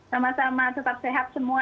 sama sama tetap sehat semua